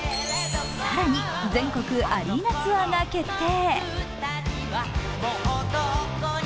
更に全国アリーナツアーが決定。